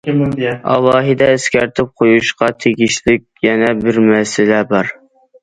ئالاھىدە ئەسكەرتىپ قويۇشقا تېگىشلىك يەنە بىر مەسىلە بار.